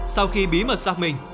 sau khi bí mật xác mình